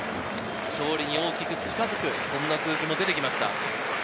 勝利に大きく近づく数字も出てきました。